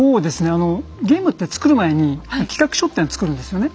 あのゲームって作る前に企画書っていうの作るんですよね。